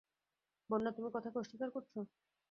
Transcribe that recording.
বন্যা, তুমি কথাকে অস্বীকার করছ?